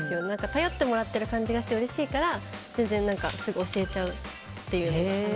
頼ってもらってる感じがしてうれしいから全然すぐ教えちゃいます。